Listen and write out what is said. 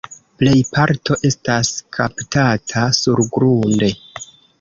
Plej parto estas kaptata surgrunde.